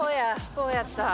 そうやった。